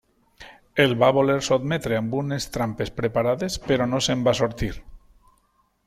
El va voler sotmetre amb unes trampes preparades però no se'n va sortir.